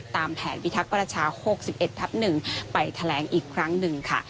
ตามแผนพิทักษ์ประชา๖๑ทับ๑ไปแถลงอีกครั้งหนึ่งค่ะ